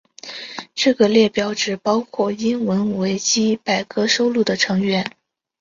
这个列表只包括英文维基百科收录的成员。